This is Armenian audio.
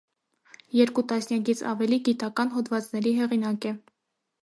Երկու տասնյակից ավելի գիտական հոդվածների հեղինակ է։